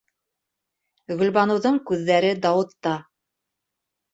Гөлбаныуҙың күҙҙәре Дауытта.